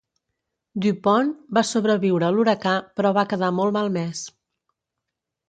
"Du Pont" va sobreviure a l'huracà, però va quedar molt malmès.